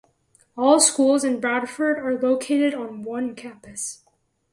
All schools in Bradford are located on one campus.